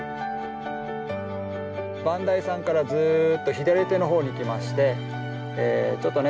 磐梯山からずっと左手の方にいきましてちょっとね